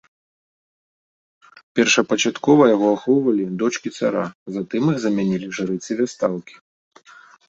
Першапачаткова яго ахоўвалі дочкі цара, затым іх замянілі жрыцы-вясталкі.